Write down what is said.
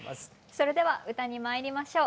それでは歌にまいりましょう。